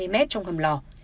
ba mươi mét trong hầm lò